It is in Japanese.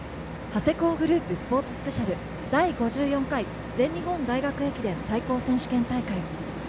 長谷工グループスポーツスペシャル第５４回全日本大学駅伝選手権大会。